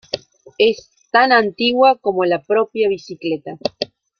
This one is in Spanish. Es tan antigua como la propia bicicleta.